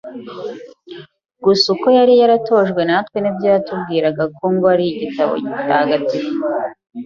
gusa uko yari yaratojwe, natwe nibyo yatubwiraga ko ngo ari igitabo gitagatifu